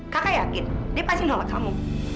kakak yakin dia pasti menolak kamu